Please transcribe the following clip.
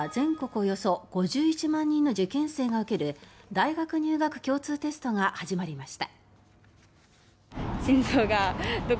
およそ５１万人の受験生が受ける大学入学共通テストが始まりました。